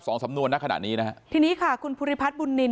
สำนวนณขณะนี้นะฮะทีนี้ค่ะคุณภูริพัฒน์บุญนิน